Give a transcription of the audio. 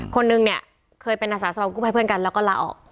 คนนึงเนี่ยเคยเป็นอาสาสมกู้ภัยเพื่อนกันแล้วก็ลาออก